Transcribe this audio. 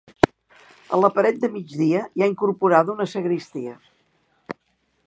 A la paret de migdia hi ha incorporada una sagristia.